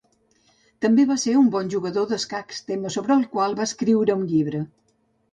També va ser un bon jugador d'escacs, tema sobre el qual va escriure un llibre.